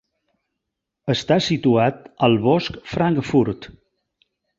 Està situat al bosc Frankfurt.